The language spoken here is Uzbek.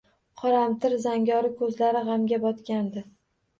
Qoramtir zangori ko`zlari g`amga botgandi